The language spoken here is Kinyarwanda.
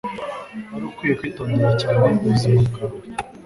Wari ukwiye kwitondera cyane ubuzima bwawe.